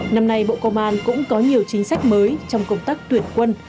năm nay bộ công an cũng có nhiều chính sách mới trong công tác tuyển quân